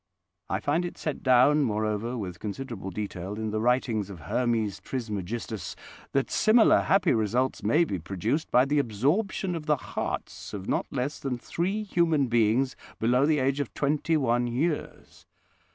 I find it set down, moreover, with considerable detail in the writings of Hermes Trismegistus, that similar happy results may be produced by the absorption of the hearts of not less than three human beings below the age of twenty one years.